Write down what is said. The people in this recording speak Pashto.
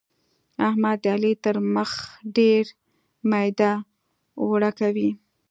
احمد د علي تر مخ ډېر ميده اوړه کوي.